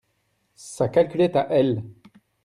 sa calculette à elle.